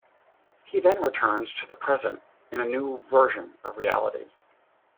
He then returns to the present in a new version of reality.